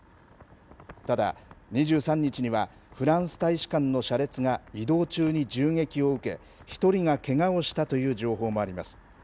ただ、２３日にはフランス大使館の車列が移動中に銃撃を受け、１人がけがをしたという情報もあります。